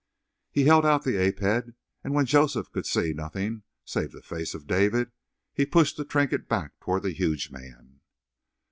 He held out the ape head, and when Joseph could see nothing save the face of David, he pushed the trinket back toward the huge man.